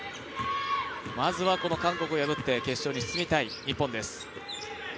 まずは、韓国を破って決勝に進みたい日本です。